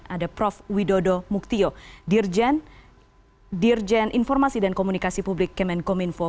ada prof widodo muktio dirjen informasi dan komunikasi publik kemenkominfo